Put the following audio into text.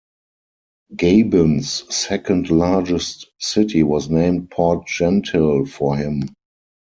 Gabon's second-largest city was named Port-Gentil for him.